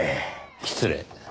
失礼。